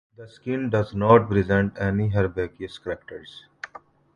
The skin does not present any herbaceous characters.